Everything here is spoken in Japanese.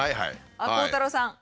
あっ鋼太郎さん。